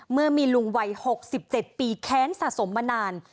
เมื่อมีลุงวัยหกสิบเจ็ดปีแค้นสะสมมานาน